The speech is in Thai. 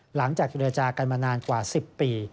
หลังจากเจรจากันมานานกว่า๑๐ปี